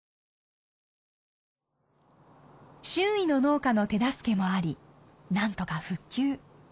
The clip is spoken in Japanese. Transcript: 周囲の農家の手助けもありなんとか復旧。